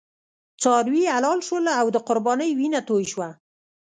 څاروي حلال شول او د قربانۍ وینه توی شوه.